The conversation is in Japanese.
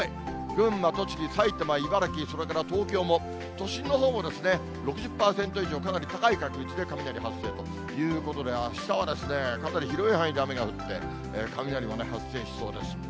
群馬、栃木、埼玉、茨城、それから東京も、都心のほうもですね、６０％以上、かなり高い確率で雷発生ということで、あしたはですね、かなり広い範囲で雨が降って、雷もね、発生しそうです。